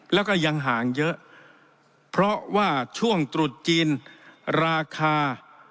แล้วก็ยังห่างเยอะเพราะว่าช่วงตรุษจีนราคา